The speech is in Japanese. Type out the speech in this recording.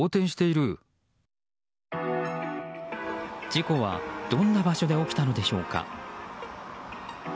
事故はどんな場所で起きたのでしょうか。